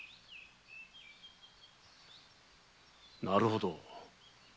なるほど。